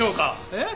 えっ？